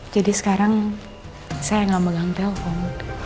jadi sekarang saya gak megang telpon